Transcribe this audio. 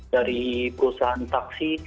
dari perusahaan taksi